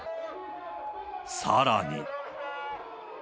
さらに。